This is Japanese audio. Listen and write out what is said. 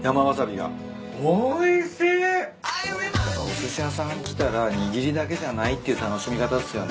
やっぱおすし屋さん来たら握りだけじゃないっていう楽しみ方っすよね。